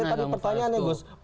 nah saya tadi pertanyaannya gus